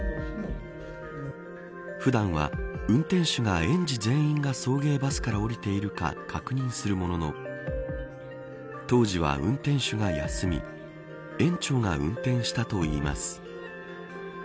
普段は、運転手が園児全員が送迎バスから降りているか確認するものの当時は運転手が休み園長が運転したといいます。